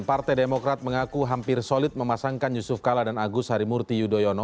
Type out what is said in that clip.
partai demokrat mengaku hampir solid memasangkan yusuf kala dan agus harimurti yudhoyono